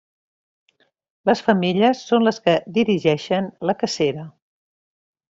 Les femelles són les que dirigeixen la cacera.